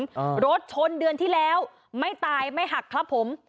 เออรถชนเดือนที่แล้วไม่ตายไม่หักครับผม